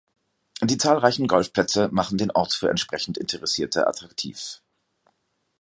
Die zahlreichen Golfplätze machen den Ort für entsprechend Interessierte attraktiv.